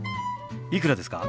いくらですか？